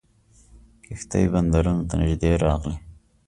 کښتۍ بندرونو ته نیژدې راغلې.